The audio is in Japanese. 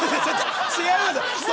違いますよ。